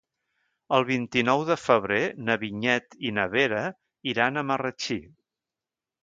El vint-i-nou de febrer na Vinyet i na Vera iran a Marratxí.